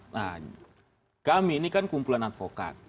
nah kami ini kan kumpulan advokat